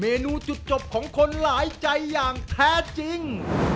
นูจุดจบของคนหลายใจอย่างแท้จริง